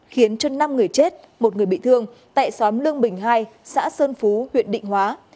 khiến cho năm người chết một người bị thương tại xóm lương bình hai xã sơn phú huyện định hóa